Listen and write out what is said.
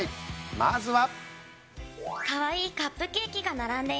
まずは。